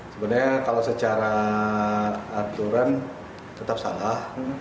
sebenarnya kalau secara aturan tetap salah